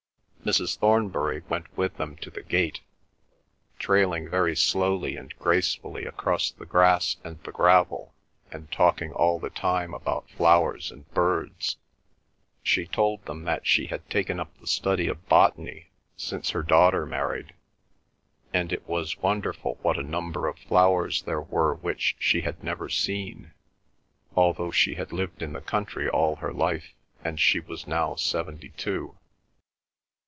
Mrs. Thornbury went with them to the gate, trailing very slowly and gracefully across the grass and the gravel, and talking all the time about flowers and birds. She told them that she had taken up the study of botany since her daughter married, and it was wonderful what a number of flowers there were which she had never seen, although she had lived in the country all her life and she was now seventy two.